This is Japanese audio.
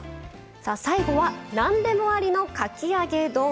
さあ最後は何でもありのかき揚げ丼。